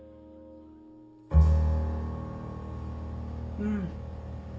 うん。